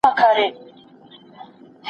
پیغامونه به څوک راوړي چي رویبار په اور کي سوځي